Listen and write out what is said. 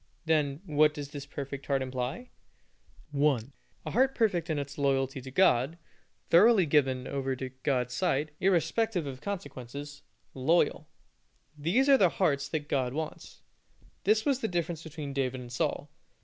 Then, what does this perfect heart imply? 1. A heart perfect in its loyalty to God, thoroughly given over to God's side, irrespective of consequences, loyal. These are the hearts that God wants. This was the difference between David and Saul.